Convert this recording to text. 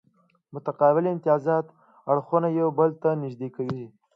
متقابل امتیازات اړخونه یو بل ته نږدې کوي